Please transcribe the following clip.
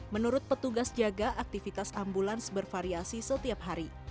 menurut petugas jaga aktivitas ambulans bervariasi setiap hari